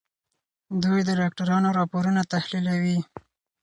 دوی د ډاکټرانو راپورونه تحليلوي.